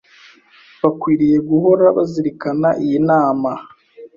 bakwiriye guhora bazirikana iyi nama.